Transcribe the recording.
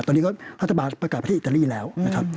ตอนนี้ก็รัฐบาลประกาศประเทศอิตาลีแล้วนะครับ